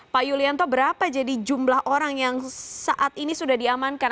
pak yulianto berapa jadi jumlah orang yang saat ini sudah diamankan